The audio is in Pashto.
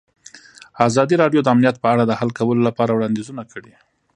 ازادي راډیو د امنیت په اړه د حل کولو لپاره وړاندیزونه کړي.